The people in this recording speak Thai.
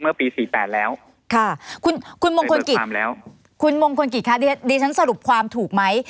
เมื่อปีสี่แปดแล้วค่ะคุณคุณมงคลกิจเดี๋ยวชั้นสรุปความถูกไหม